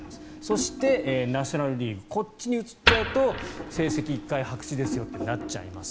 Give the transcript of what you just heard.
そして、ナショナル・リーグこっちに移っちゃうと成績、１回白紙ですよとなっちゃいます。